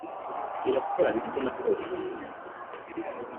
irakorana ite na polisi